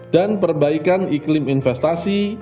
dan perbaikan iklim investasi